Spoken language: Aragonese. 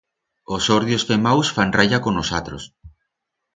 Os hordios femaus fan raya con os atros.